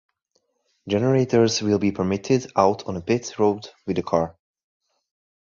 Generators will be permitted out on pit road with the car.